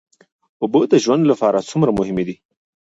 اوبه د ژوند لپاره څومره مهمې دي